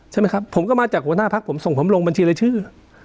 ใช่ไหมครับผมก็มาจากหัวหน้าพักผมส่งผมลงบัญชีรายชื่อ